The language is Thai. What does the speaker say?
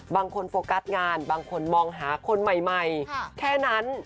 โฟกัสงานบางคนมองหาคนใหม่แค่นั้น